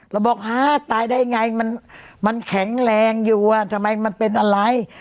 เราบอกฮะตายได้ไงมันแข็งแรงอยู่ทำไมมันเป็นอะไร